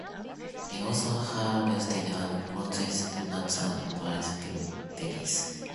They also harvested and processed nuts and wild berries.